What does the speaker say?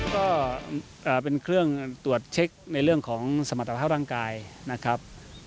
ก็เป็นเครื่องตรวจเช็คในเรื่องของสมรรถภาพร่างกายนะครับ